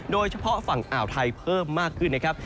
โดยเฉพาะฝั่งอ่าวไทยเพิ่มมากขึ้นนะครับ